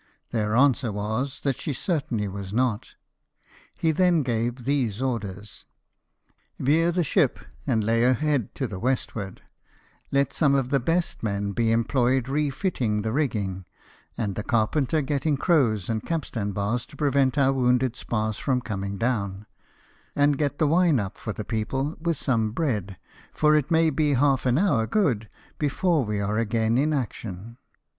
Their answer was, that she certainly was not. He then gave these orders :" Veer the ship, and la}' ORDERED TO CORSICA. 57 her head to the westward : let some of the best men be employed refitting the rigging, and the carpenter getting crows and capstan bars to prevent our wounded spars from coming down ; and get the wine up for the people, with some bread, for it may be half an hour good before we are again in action."